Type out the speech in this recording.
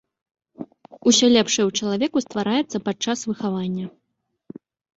Усё лепшае ў чалавеку ствараецца падчас выхавання.